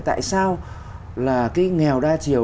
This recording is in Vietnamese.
tại sao là cái nghèo đa chiều